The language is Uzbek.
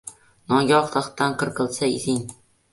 Nogoh taxtdan qirqilsa izing